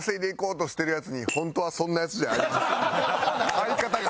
相方が。